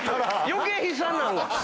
余計悲惨なるわ。